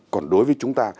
còn đối với chúng ta